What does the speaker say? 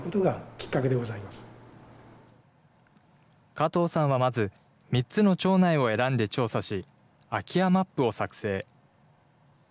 加藤さんはまず、３つの町内を選んで調査し、空き家マップを作成。